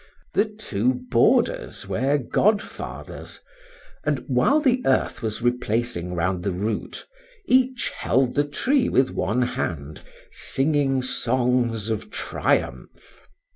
The two boarders were godfathers, and while the earth was replacing round the root, each held the tree with one hand, singing songs of triumph.